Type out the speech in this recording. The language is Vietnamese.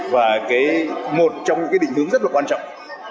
và một trong những cái định hướng rất là quan trọng